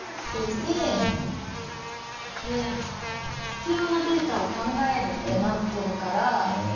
立てて必要なデータを考えるってなってるから。